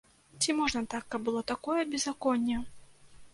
Ці можна так, каб было такое беззаконне?